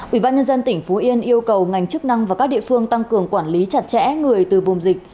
ubnd tỉnh phú yên yêu cầu ngành chức năng và các địa phương tăng cường quản lý chặt chẽ người từ vùng dịch